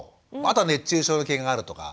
あとは熱中症の危険があるとか。